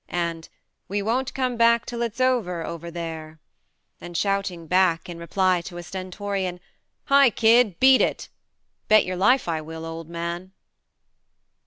and "We won't come back till it's over over there !" and shouting back, in reply to a stentorian " Hi, kid, beat it !"," Bet your life I will, old man